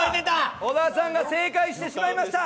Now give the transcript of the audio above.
小田さんが正解してしまいました。